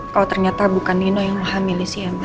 kalo ternyata bukan nino yang mau hamil sih ya mbak